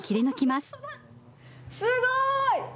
すごい！